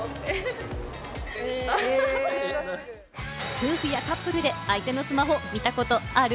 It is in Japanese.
夫婦やカップルで、相手のスマホを見たことある？